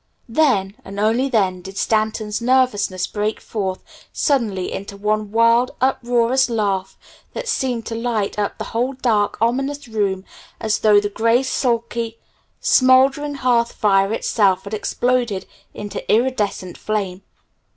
Then, and then only did Stanton's nervousness break forth suddenly into one wild, uproarious laugh that seemed to light up the whole dark, ominous room as though the gray, sulky, smoldering hearth fire itself had exploded into iridescent flame.